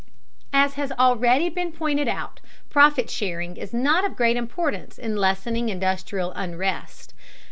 As has already been pointed out, profit sharing is not of great importance in lessening industrial unrest.